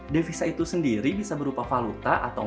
defisa itu sendiri bisa berupa valuta atau mata uang asing